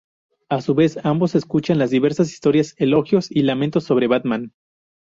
A su vez, ambos escuchan las diversas historias, elogios y lamentos sobre Batman.